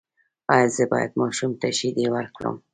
ایا زه باید ماشوم ته شیدې ورکړم؟